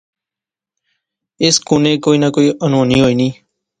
اس کنے کی نہ کی انہونی ہوئی نی